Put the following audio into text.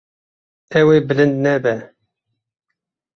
Ew ê bilind nebe.